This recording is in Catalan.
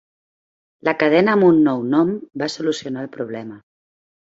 La cadena amb un nou nom va solucionar el problema.